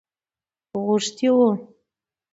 غوښتی وو.